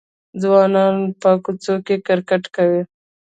ځوانان په کوڅو کې کرکټ کوي.